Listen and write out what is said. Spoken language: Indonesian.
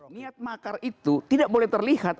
niat makar itu tidak boleh terlihat